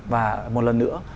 và một lần nữa